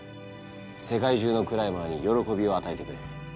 世界中のクライマーに喜びを与えてくれ。